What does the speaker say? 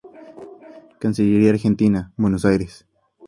Cancillería Argentina, Buenos Aires.